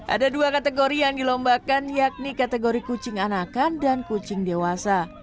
ada dua kategori yang dilombakan yakni kategori kucing anakan dan kucing dewasa